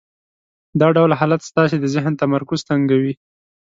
دا ډول حالت ستاسې د ذهن تمرکز تنګوي.